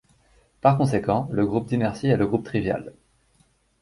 Par conséquent, le groupe d'inertie est le groupe trivial.